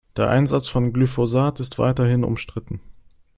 Der Einsatz von Glyphosat ist weiterhin umstritten.